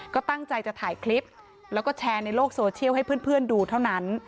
ก็ตั้งใจจะถ่ายคลิปแล้วก็แชร์ในโลกโซเชียลให้เพื่อนดูเท่านั้น